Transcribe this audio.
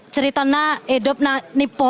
ceritanya hidupnya ini pun